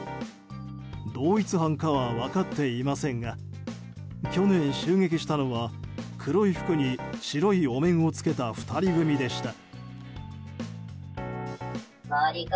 同一犯かは分かっていませんが去年襲撃したのは黒い服に白いお面を着けた２人組でした。